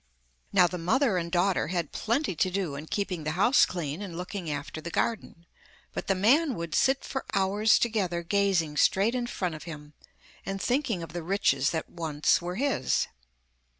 Now the mother and daughter had plenty to do in keeping the house clean and looking after the garden, but the man would sit for hours together gazing straight in front of him, and thinking of the riches that once were his.